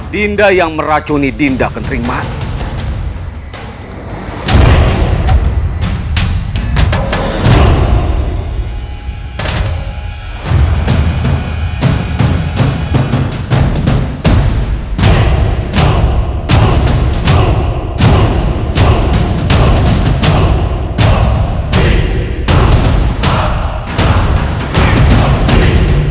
dinda yang meracuni dinda kering mati